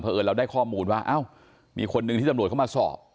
เพราะเอิญเราได้ข้อมูลว่าเอ้ามีคนหนึ่งที่ตำรวจเข้ามาสอบ